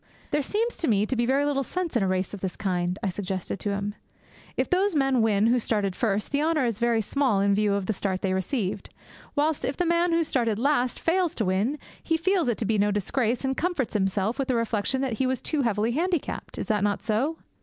'There seems to me to be very little sense in a race of this kind,' I suggested to him. 'If those men win who started first, the honour is very small in view of the start they received; whilst if the man who started last fails to win, he feels it to be no disgrace, and comforts himself with the reflection that he was too heavily handicapped. Is that not so?'